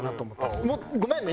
ごめんね。